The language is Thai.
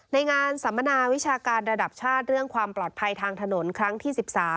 ในงานสัมมนาวิชาการระดับชาติเรื่องความปลอดภัยทางถนนครั้งที่๑๓